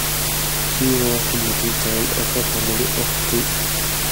He was the middle child of a family of three.